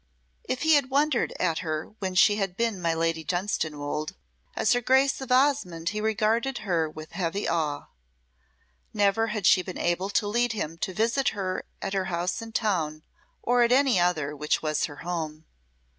If he had wondered at her when she had been my Lady Dunstanwolde, as her Grace of Osmonde he regarded her with heavy awe. Never had she been able to lead him to visit her at her house in town or at any other which was her home.